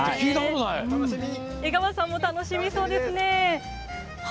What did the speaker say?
江川さんも楽しみそうですね。